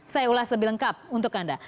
saya ulas lebih lengkap untuk anda